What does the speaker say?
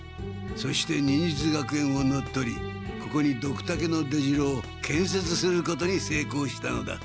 そして忍術学園を乗っ取りここにドクタケの出城をけんせつすることにせいこうしたのだ。